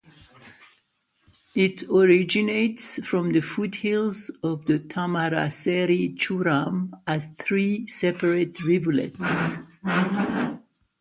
It originates from the foothills of the Thamarassery churam as three separate rivulets.